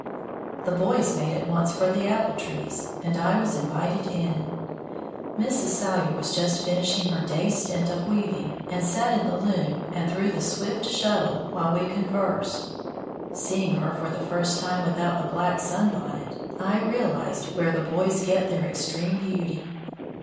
The boys made at once for the apple trees, and I was invited in. Mrs. Salyer was just finishing her day's stint of weaving, and sat in the loom and threw the swift shuttle while we conversed. Seeing her for the first time without the black sunbonnet, I realized where the boys get their extreme beauty.